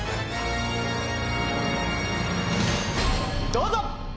どうぞ！